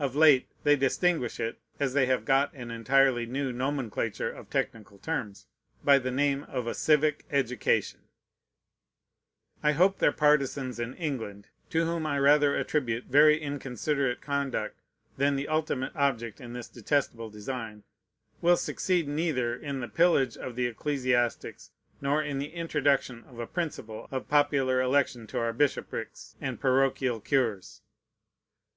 Of late they distinguish it (as they have got an entirely new nomenclature of technical terms) by the name of a Civic Education. I hope their partisans in England (to whom I rather attribute very inconsiderate conduct than the ultimate object in this detestable design) will succeed neither in the pillage of the ecclesiastics nor in the introduction of a principle of popular election to our bishoprics and parochial cures.